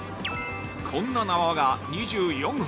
こんな縄が２４本。